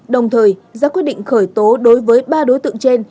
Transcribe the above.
đồng thời ra quyết định khởi tố đối với ba đối tượng trên